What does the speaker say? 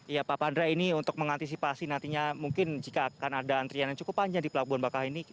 ya pak pandra ini untuk mengantisipasi nantinya mungkin jika akan ada antrian yang cukup panjang di pelabuhan bakau ini